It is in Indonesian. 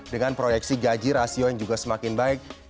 dengan proyeksi gaji rasio yang juga semakin baik